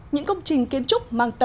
những công trình kiến trúc mang tầm